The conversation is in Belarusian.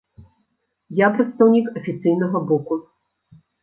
Я прадстаўнік афіцыйнага боку.